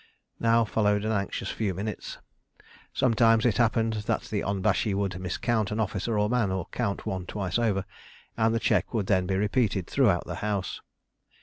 Now followed an anxious few minutes. Sometimes it happened that the onbashi would miscount an officer or man, or count one twice over, and the check would then be repeated throughout the house.